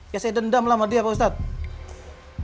ya saya dendam sama dia pak ustadz